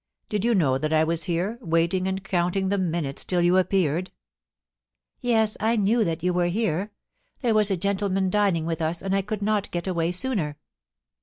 Did you know that I was here, waiting and counting the minutes till you appeared ?Yes, I knew that you were here. There was a gentle man dining with us, and I could not get away sooner.